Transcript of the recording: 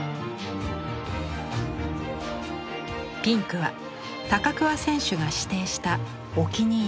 ピンクは高桑選手が指定したお気に入りの色。